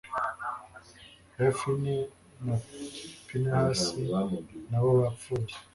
hofini na pinehasi, na bo bapfuye